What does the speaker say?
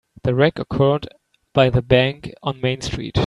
The wreck occurred by the bank on Main Street.